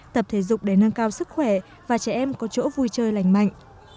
tập thể dục để nâng cao sức khỏe và trẻ em có chỗ vui chơi lành mạnh